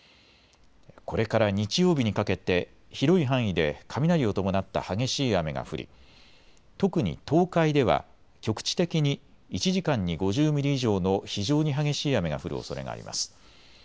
これから日曜日にかけて広い範囲で雷を伴った激しい雨が降り特に東海では局地的に１時間に５０ミリ以上の非常に激しい雨が降るおそれがあります。